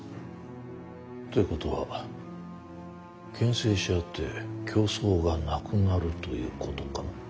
ということは牽制し合って競争がなくなるということかな？